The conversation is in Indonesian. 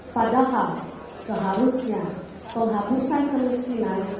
padahal seharusnya penghapusan kemiskinan